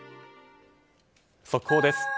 速報です。